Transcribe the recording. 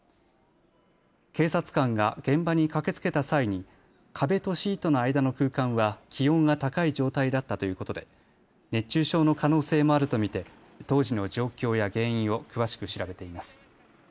警察官が現場に駆けつけた際に壁とシートの間の空間は気温が高い状態だったということで熱中症の可能性もあると見て当時の状況や原因を詳しく調べています。